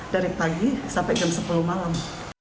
dari pagi sampai jam sepuluh malam